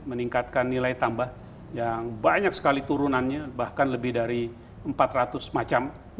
meningkatkan nilai tambah yang banyak sekali turunannya bahkan lebih dari empat ratus macam